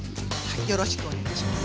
よろしくお願いします。